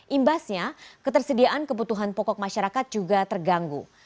imbasnya ketersediaan kebutuhan pokok masyarakat juga terganggu